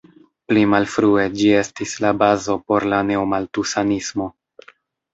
Pli malfrue ĝi estis la bazo por la neomaltusanismo.